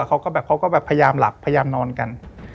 เขาก็แบบพยายามหลับพยายามนอนกัน